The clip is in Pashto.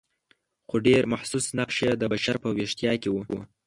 خو ډېر محسوس نقش یې د بشر په ویښتیا کې و.